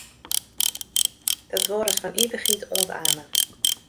Dat duorret fan ivichheid oant amen.